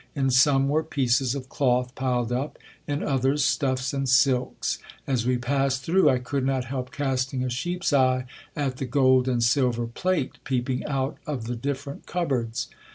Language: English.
In some were pieces of cloth piled up ; in others, stuffs and silks. As we passed through I could not help casting a sheep's eye at the gold and silver plate peeping out of the different cupboards.